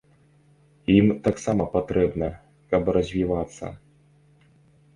Ім таксама патрэбна, каб развівацца.